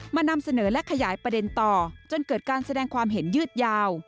นำเสนอและขยายประเด็นต่อจนเกิดการแสดงความเห็นยืดยาว